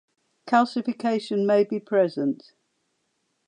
Calcification may be present.